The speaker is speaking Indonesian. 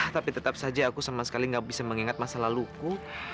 tapi tetap saja aku sama sekali gak bisa mengingat masa laluku